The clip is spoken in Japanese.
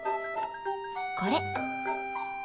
これ。